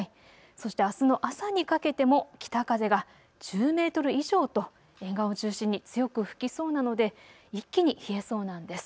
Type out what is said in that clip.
そしてあすの朝にかけても北風が１０メートル以上と沿岸を中心に強く吹きそうなので一気に冷えそうなんです。